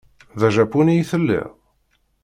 D ajapuni i telliḍ?